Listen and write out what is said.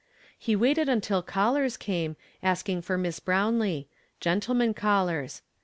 He waited until callers came, ask ing for Miss Brownlee — gentlemen callers.